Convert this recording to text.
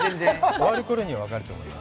終わるころに分かると思います。